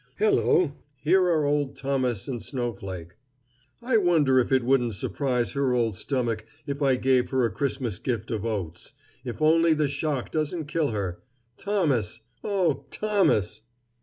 Hello! Here are old Thomas and Snowflake. I wonder if it wouldn't surprise her old stomach if I gave her a Christmas gift of oats. If only the shock doesn't kill her! Thomas! Oh, Thomas!"